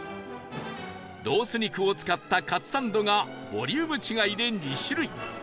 ロース肉を使ったかつサンドがボリューム違いで２種類